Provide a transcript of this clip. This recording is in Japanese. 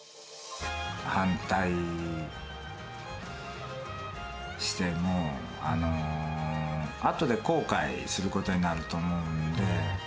反対しても、後で後悔することになると思うんで。